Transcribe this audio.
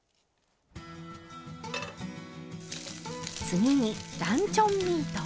次にランチョンミート。